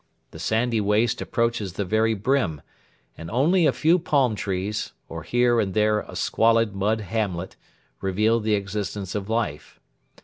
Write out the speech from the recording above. The sandy waste approaches the very brim, and only a few palm trees, or here and there a squalid mud hamlet, reveal the existence of life.